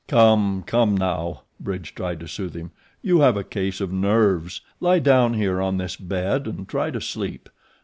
"Come! come! now," Bridge tried to soothe him. "You have a case of nerves. Lie down here on this bed and try to sleep.